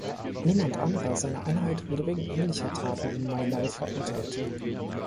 Niemand anderer seiner Einheit wurde wegen ähnlicher Taten in My Lai verurteilt.